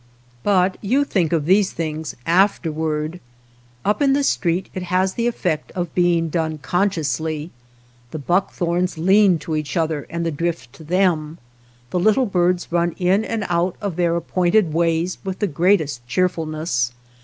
But you think of these things afterward. Up in the street it has the effect of being done consciously ; the buckthorns lean to each other and the drift to them, the little birds 199 THE STREETS OF THE MOUNTAINS run in and out of their appointed ways with the greatest cheerfulness.